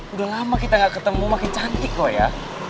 udah lama kita gak ketemu makin cantik loh ya